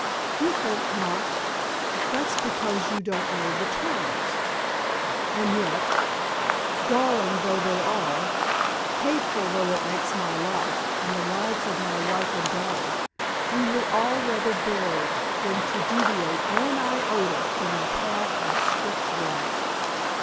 "You think not? That's because you don't know the terms. And yet, galling though they are, hateful though it makes my life, and the lives of my wife and daughter, we would all rather bear it than to deviate one iota from the path of strict right."